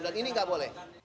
dan ini nggak boleh